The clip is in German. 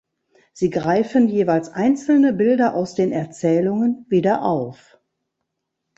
Sie greifen jeweils einzelne Bilder aus den Erzählungen wieder auf.